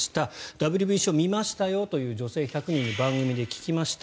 ＷＢＣを見ましたよという女性１００人に番組で聞きました。